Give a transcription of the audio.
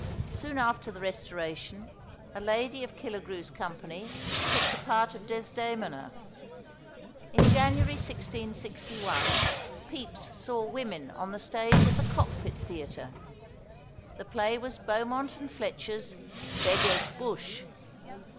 Soon after the Restoration a lady of Killigrew's company took the part of Desdemona. In January 1661 Pepys saw women on the stage at the Cockpit Theatre: the play was Beaumont and Fletcher's "Beggars' Bush."